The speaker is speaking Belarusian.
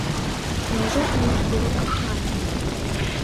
Няўжо ў іх было каханне?